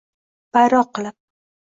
Bayroq qilib